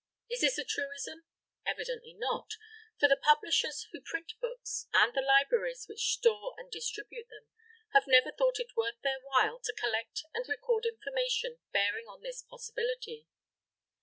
Is this a truism? Evidently not; for the publishers, who print books, and the libraries, which store and distribute them, have never thought it worth their while to collect and record information bearing on this possibility.